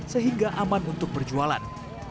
sehingga aman untuk berjalan